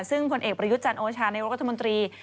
ซึ่งคนเอกประยุจจรโอชาธิ์ในโรธมนตรี